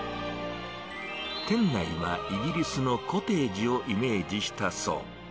店内はイギリスのコテージをイメージしたそう。